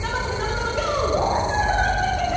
おおすごいけけちゃま！